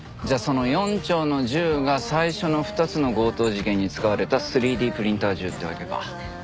じゃあその４丁の銃が最初の２つの強盗事件に使われた３Ｄプリンター銃ってわけか。